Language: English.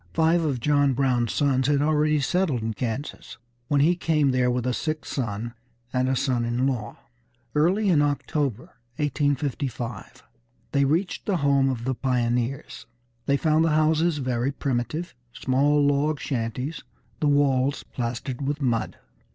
Five of John Brown's sons had already settled in Kansas when he came there with a sick son and a son in law. Early in October, 1855, they reached the home of the pioneers. They found the houses very primitive, small log shanties, the walls plastered with mud.